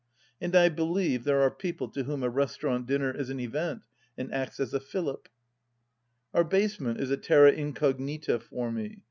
And I believe there are people to whom a restaurant dinner is an event and acts as a fillip 1 Our basement is a terra incognita for me.